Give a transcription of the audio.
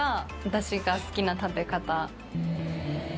私が好きな食べ方。